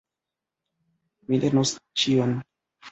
Mi lernos ĉion.